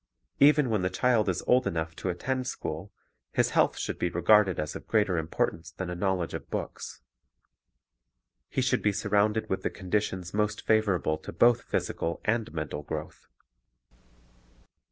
Even when the child is old enough to attend school, his health should be regarded as of greater importance than a knowledge of books. He should be surrounded with the conditions most favorable to both physical and mental growth.